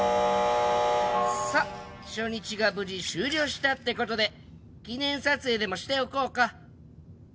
さあ初日が無事終了したって事で記念撮影でもしておこうか。